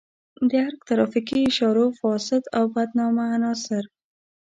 د ارګ ترافیکي اشارو فاسد او بدنامه عناصر.